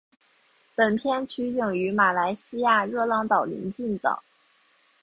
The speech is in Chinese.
本片取景于马来西亚热浪岛邻近的。